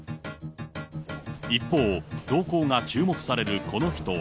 一方、動向が注目されるこの人は。